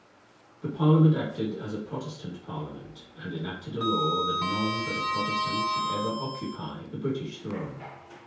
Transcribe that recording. The parliament acted as a Protestant parliament, and enacted a law, that none but a Protestant should ever occupy the British throne.